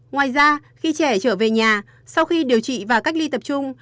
ngoài ra khi trẻ trở về nhà sau khi điều trị và cách ly tập trung